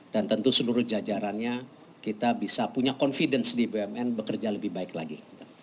dan tentu seluruh jajarannya kita bisa punya confidence di bumn bekerja lebih baik lagi